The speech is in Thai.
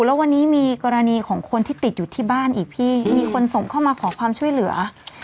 แล้ววันนี้มีกรณีของคนที่ติดอยู่ที่บ้านอีกพี่มีคนส่งเข้ามาขอความช่วยเหลือ